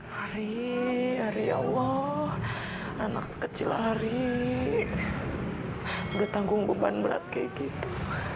hari hari allah anak kecil hari bertanggung beban berat kayak gitu